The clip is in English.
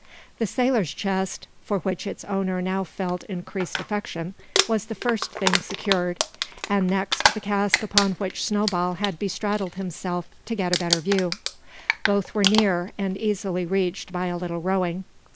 The sailor's chest, for which its owner now felt increased affection, was the first thing secured; and next the cask upon which Snowball had bestraddled himself to get a better view. Both were near, and easily reached by a little rowing.